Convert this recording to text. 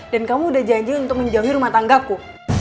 dan kamu udah janji untuk menjauhi rumah tanggaku